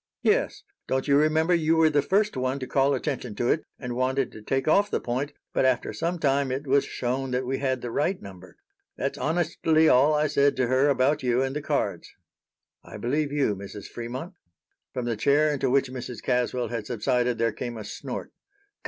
"Yes; don't you remember you were the first one to call attention to it and wanted to take off the point, but after some time it was shown that we had the right number? That's honestly all I said to her about you and the cards." "I believe you, Mrs. Fremont." From the chair into which Mrs. Caswell had subsided there came a snort.